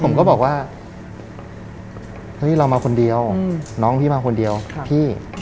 ผมก็บอกว่าเฮ้ยเรามาคนเดียวน้องพี่มาคนเดียวพี่